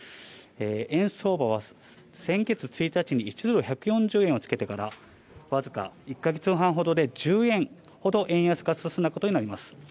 円相場は、先月１日に１ドル１４０円をつけてから、僅か１か月半ほどで１０円ほど円安が進んだことになります。